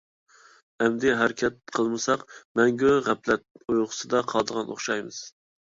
ئەمدى ھەرىكەت قىلمىساق، مەڭگۈ غەپلەت ئۇيقۇسىدا قالىدىغان ئوخشايمىز!